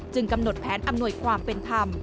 กำหนดแผนอำนวยความเป็นธรรม